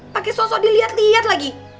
pakai sosok dilihat lihat lagi